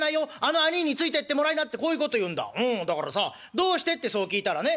『どうして？』ってそう聞いたらね